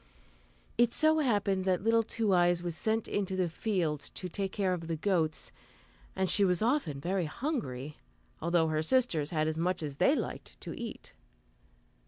It so happened that little Two Eyes was sent into the fields to take care of the goats, and she was often very hungry, although her sisters had as much as they liked to eat.